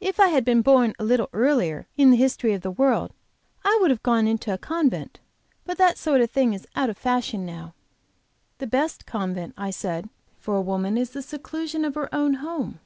If I had been born a little earlier in the history of the world, I would have gone into a convent; but that sort of thing is out of fashion now." "The best convent," I said, "for a woman is the seclusion of her own home.